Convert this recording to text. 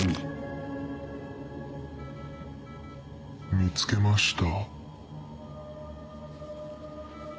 見つけました。